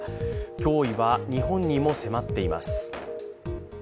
脅威は日本にも迫っています。